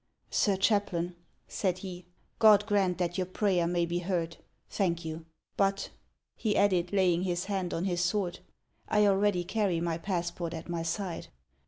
" Sir Chaplain," said he, " God grant that your prayer may be heard! Thank you.' But," he added, laying his hand on his sword, " I already carry my passport at my side."